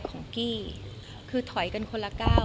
กี้คือถอยกันคนละก้าว